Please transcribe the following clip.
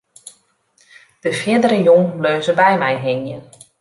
De fierdere jûn bleau se by my hingjen.